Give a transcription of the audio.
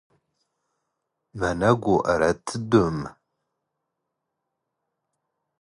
ⵎⴰⵏⴰⴳⵓ ⴰ ⵔⴰⴷ ⴷ ⵜⴷⴷⵓⵎ?